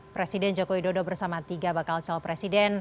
presiden joko widodo bersama tiga bakal calon presiden